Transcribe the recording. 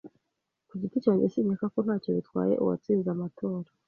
Ku giti cyanjye, sinkeka ko ntacyo bitwaye uwatsinze amatora.